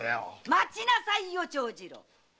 待ちなさいよ長次郎！